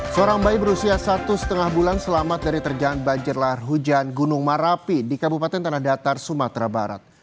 seorang bayi berusia satu lima bulan selamat dari terjangan banjir lahar hujan gunung merapi di kabupaten tanah datar sumatera barat